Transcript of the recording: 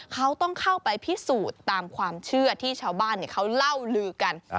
เขาต้องเข้าไปพิสูจน์ตามความเชื่อที่ชาวบ้านเขาเล่าลือกัน